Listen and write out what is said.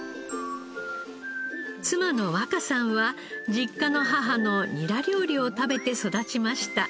妻の和佳さんは実家の母のニラ料理を食べて育ちました。